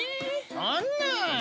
そんなぁ。